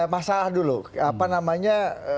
masalah dulu apa namanya